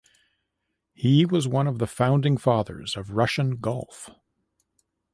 He was one of the founding fathers of Russian Golf.